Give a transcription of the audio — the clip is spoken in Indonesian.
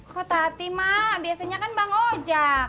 kok tati mak biasanya kan bang ojak